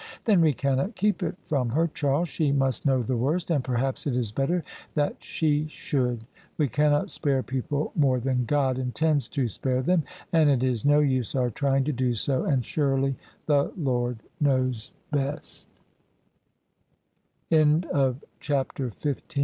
"Then we cannot keep it from her, Charles: she must know the worst And perhaps it is better that she should. We cannot spare people more than God intends to spare them, and it is no use our trying to do so: and surely the Lord knows be